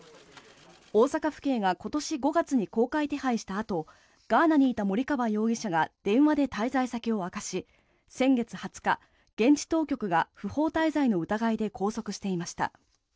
大阪府警が今年５月に公開手配したあとガーナにいた森川容疑者が電話で滞在先を明かし先月２０日、現地当局が不法滞在の疑いで拘束していました。